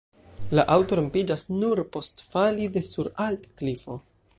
La aŭto rompiĝas nur post fali de sur alta klifo.